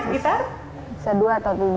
bisa dua atau tiga